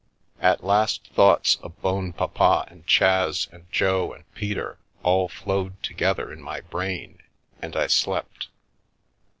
At last thoughts of Bonpapa and Chas and Jo and Peter all flowed together in my brain and I slept.